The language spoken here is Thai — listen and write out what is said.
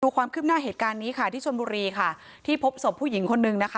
ความคืบหน้าเหตุการณ์นี้ค่ะที่ชนบุรีค่ะที่พบศพผู้หญิงคนนึงนะคะ